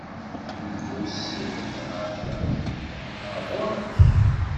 Nekk usiɣ-d ɣer da, ɣer ɣur-k.